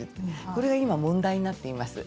これが問題になっています。